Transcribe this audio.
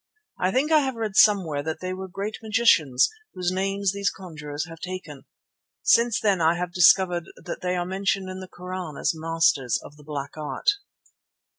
"I think I have read somewhere that they were great magicians, whose names these conjurers have taken." (Since then I have discovered that they are mentioned in the Koran as masters of the Black Art.)